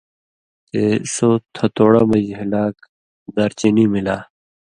تے سو تھتُوڑہ مژ ہِلاک دارچینی ملا